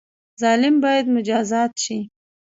ظالم باید مجازات شي